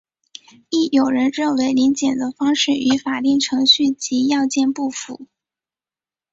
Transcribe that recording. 亦有人认为临检的方式与法定程序及要件不符。